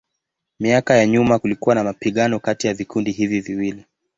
Miaka ya nyuma kulikuwa na mapigano kati ya vikundi hivi viwili.